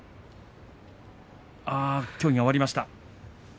協議が終わりました。